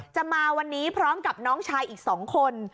จะมาวันนี้พร้อมกับน้องชายอีก๒คน